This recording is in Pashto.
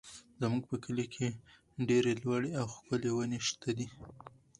زموږ په کلي کې ډېرې لوړې او ښکلې ونې شته دي.